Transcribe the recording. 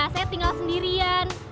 saya tinggal sendirian